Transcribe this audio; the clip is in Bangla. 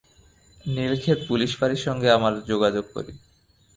নীলক্ষেত পুলিশ ফাঁড়ির সঙ্গে আমরা যোগাযোগ করি।